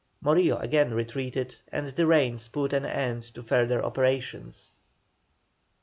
Morillo again retreated, and the rains put an end to further operations.